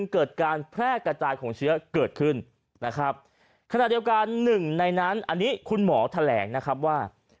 ครับขณะเดียวกันหนึ่งในนั้นอันนี้คุณหมอแถลงนะครับว่า